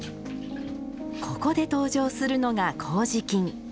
ここで登場するのが麹菌。